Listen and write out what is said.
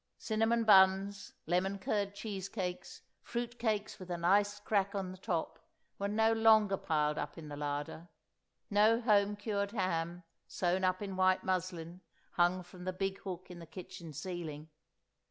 Cinnamon buns, lemon curd cheese cakes, fruit cakes with a nice crack in the top, were no longer piled up in the larder. No home cured ham, sewn up in white muslin, hung from the big hook in the kitchen ceiling.